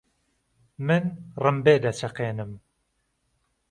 من ڕمبێ دهچهقێنم